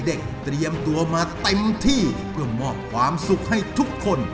เตรียมตัวมาเต็มที่เพื่อมอบความสุขให้ทุกคน